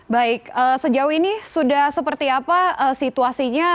baik sejauh ini sudah seperti apa situasinya